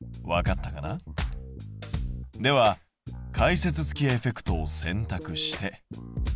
では解説付きエフェクトをせんたくして。